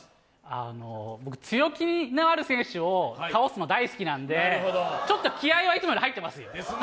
あの僕、強気のある選手を倒すの大好きなんでちょっと気合いはいつもより入ってますよ。